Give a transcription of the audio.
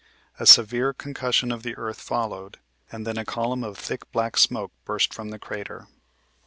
A severe concussion of the earth followed, and then a column of thick black smoke burst from the crater.